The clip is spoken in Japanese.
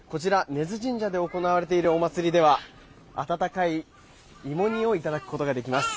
根津神社で行われているお祭りでは温かい芋煮をいただくことができます。